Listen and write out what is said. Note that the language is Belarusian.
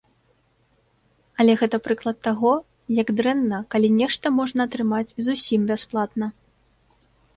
Але гэта прыклад таго, як дрэнна, калі нешта можна атрымаць зусім бясплатна.